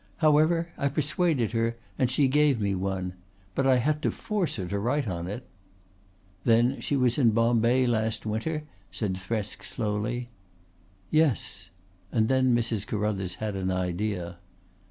However, I persuaded her and she gave me one. But I had to force her to write on it." "Then she was in Bombay last winter?" said Thresk slowly. "Yes." And then Mrs. Carruthers had an idea.